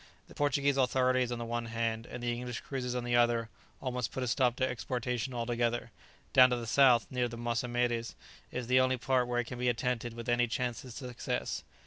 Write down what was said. The Portuguese authorities on the one hand, and the English cruisers on the other, almost put a stop to exportation altogether; down to the south, near Mossamedes, is the only part where it can be attempted with any chance of success.